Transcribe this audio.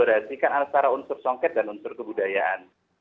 jadi kita membandingkan antara unsur songket dan unsur kebudayaan